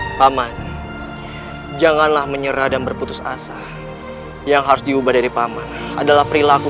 hai paman janganlah menyerah dan berputus asa yang harus diubah dari paman adalah perilaku